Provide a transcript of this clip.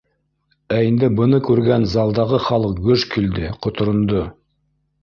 Ә инде быны күргән залдағы халыҡ гөж килде, ҡоторондо